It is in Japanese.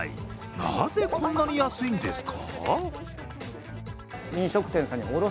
なぜこんなに安いんですか？